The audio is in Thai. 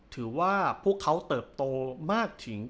ถือว่าพวกเขาเติบโตมากถึง